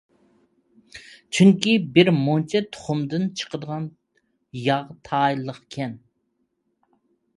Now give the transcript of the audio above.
چۈنكى بىر مۇنچە تۇخۇمدىن چىقىدىغان ياغ تايىنلىقكەن.